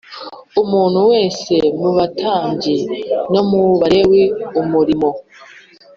umuntu wese mu batambyi no mu Balewi umurimo